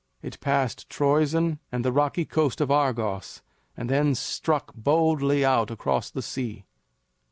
It passed Troezen and the rocky coast of Argos, and then struck boldly out across the sea.